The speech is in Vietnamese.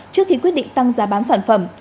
trước khi quyết định tăng giá bán sản phẩm